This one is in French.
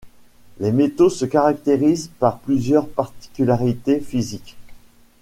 Les métaux se caractérisent par plusieurs particularités physiques.